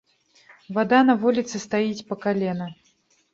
Вада на вуліцы стаіць па калена.